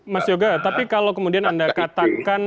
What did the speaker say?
mas yoga tapi kalau kemudian anda katakan